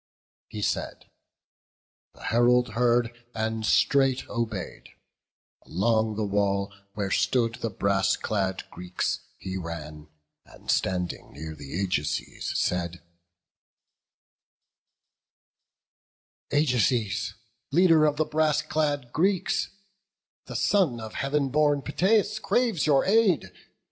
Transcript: He said; the herald heard, and straight obey'd; Along the wall, where stood the brass clad Greeks, He ran, and standing near th' Ajaces, said: "Ajaces, leaders of the brass clad Greeks, The son of Heav'n born Peteus craves your aid.